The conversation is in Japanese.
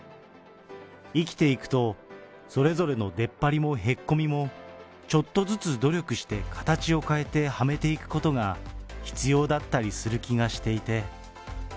生きていくと、それぞれのでっぱりもへっこみも、ちょっとずつ努力して形を変えてはめていくことが必要だったりする気がしていて。